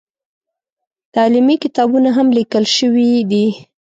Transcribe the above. تعلیمي کتابونه هم لیکل شوي دي.